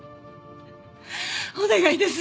お願いです